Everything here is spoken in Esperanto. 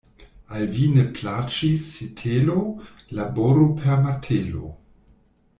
Al vi ne plaĉis sitelo, laboru per martelo.